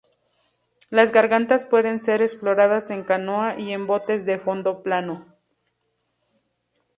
Las gargantas pueden ser exploradas en canoa y en botes de fondo plano.